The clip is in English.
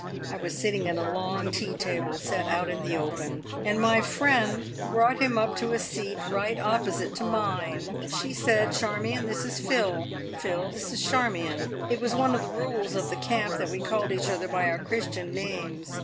I was sitting at a long tea table set out in the open, and my friend brought him up to a seat right opposite to mine. She said, `Charmion, this is Phil Phil, this is Charmion!' It was one of the rules of the camp that we called each other by our Christian names.